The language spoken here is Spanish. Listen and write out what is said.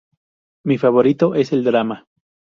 Mi favorito es el drama.